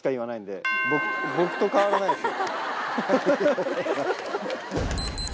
僕と変わらないです。